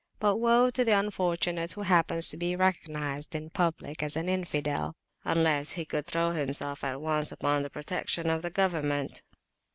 But woe to the unfortunate who happens to be recognised in public as an Infidelunless at least he could throw himself at once upon the protection of the government.